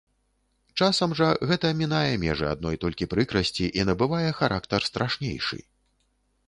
Часам жа гэта мінае межы адной толькі прыкрасці і набывае характар страшнейшы.